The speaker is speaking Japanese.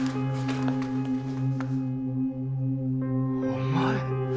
お前。